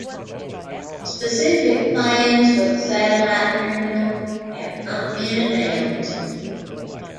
Specific plans for the satellite terminal have not been announced.